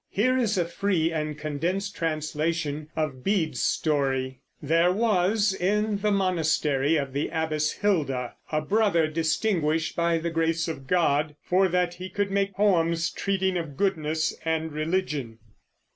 Here is a free and condensed translation of Bede's story: There was, in the monastery of the Abbess Hilda, a brother distinguished by the grace of God, for that he could make poems treating of goodness and religion.